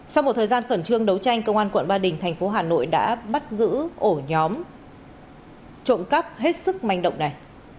sau một thời gian khẩn trương đấu tranh công an quận ba đình thành phố hà nội đã bắt giữ ổ nhóm trộm cắp hết sức manh động này